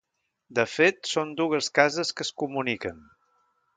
De fet, són dues cases que es comuniquen.